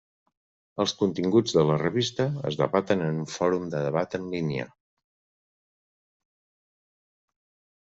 Els continguts de la revista es debaten en un fòrum de debat en línia.